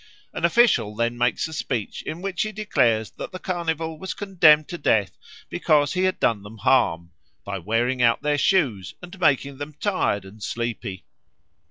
An official then makes a speech in which he declares that the Carnival was condemned to death because he had done them harm, by wearing out their shoes and making them tired and sleepy.